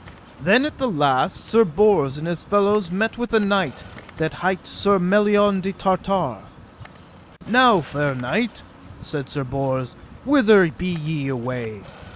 Then at the last Sir Bors and his fellows met with a knight that hight Sir Melion de Tartare. Now fair knight, said Sir Bors, whither be ye away?